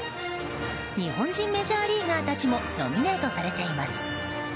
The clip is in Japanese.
日本人メジャーリーガーたちもノミネートされています。